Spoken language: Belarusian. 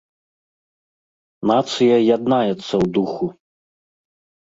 Нацыя яднаецца ў духу!